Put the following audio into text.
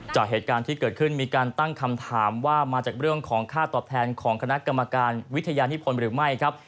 จากเหตุการณ์ที่เกิดขึ้นมีการตั้งคำถามว่ามาจากเรื่องของค่าตอบแทนของคณะกรรมการวิทยานิพลหรือไม่ครับ